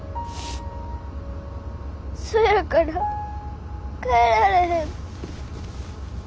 そやから帰られへん。